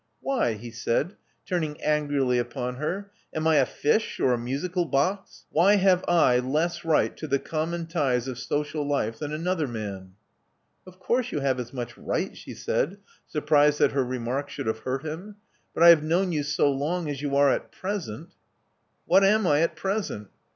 Why?" he said, turning angrily upon her. Am I a fish, or a musical box? Why have I less right to the common ties of social life than another man?" Of course you have as much right," she said, surprised that her remark should have hurt him. But I have known you so long as you are at present " What am I at present?"